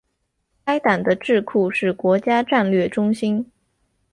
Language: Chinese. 该党的智库是国家战略中心。